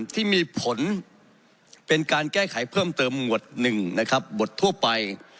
ที่มีผลเป็นการแก้ไขเพิ่มเติมหมวด๑นะครับบททั่วไป